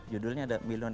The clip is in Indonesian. judulnya ada milion air